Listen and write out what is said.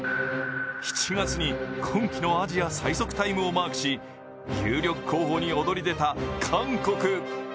７月に今季のアジア最速タイムをマークし、有力候補に躍り出た韓国。